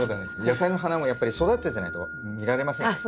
野菜の花もやっぱり育ててないと見られませんからね。